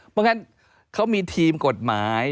เพราะงั้นเขามีทีมกฎหมาย